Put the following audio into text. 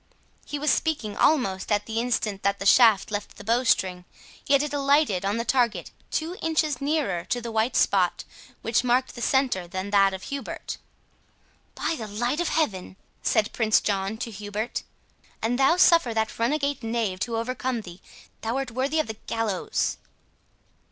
He was speaking almost at the instant that the shaft left the bowstring, yet it alighted in the target two inches nearer to the white spot which marked the centre than that of Hubert. "By the light of heaven!" said Prince John to Hubert, "an thou suffer that runagate knave to overcome thee, thou art worthy of the gallows!"